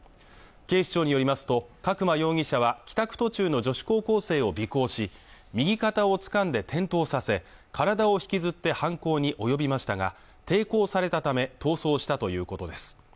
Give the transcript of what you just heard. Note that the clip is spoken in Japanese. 警視庁によりますと角間容疑者は帰宅途中の女子高校生を尾行し右肩をつかんで転倒させ体を引きずって犯行に及びましたが抵抗されたため逃走したということです